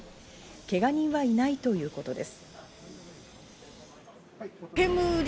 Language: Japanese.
けが人はいないということです。